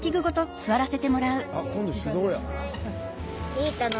いいかな。